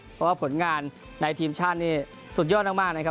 เพราะว่าผลงานทีมชาตินี้สุดยอดมาก